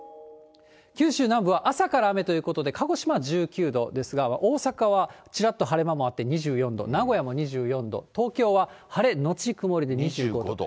九州南部は朝から雨ということで、鹿児島は１９度ですが、大阪はちらっと晴れ間もあって２４度、名古屋も２４度、東京は晴れ後曇りで２５度。